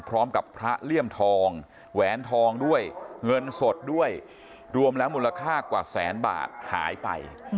พร้อมกับพระเลี่ยมทองแหวนทองด้วยเงินสดด้วยรวมแล้วมูลค่ากว่าแสนบาทหายไป